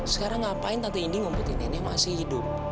sekarang ngapain tante ini ngumpetin nenek masih hidup